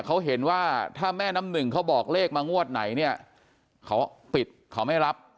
เขาเห็นว่าถ้าแม่น้ำหนึ่งเขาบอกเลขมางวดไหนเนี่ยเขาปิดเขาไม่รับ